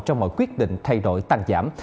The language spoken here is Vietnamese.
trong mọi quyết định thay đổi tăng giảm